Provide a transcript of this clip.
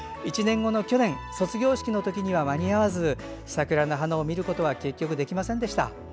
１年後の去年卒業式のときには間に合わず桜の花を見ることは結局できませんでした。